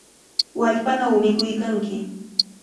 ¡Wallpanaw mikuykanki!